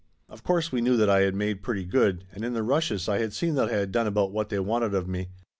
Of course we knew that I had made pretty good, and in the rushes I had seen that I had done about what they wanted of me.